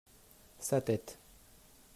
sa tête.